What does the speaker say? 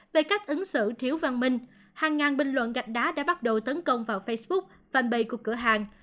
về cách ứng xử thiếu văn minh hàng ngàn bình luận gạch đá đã bắt đầu tấn công vào facebook phạm bầy của cửa hàng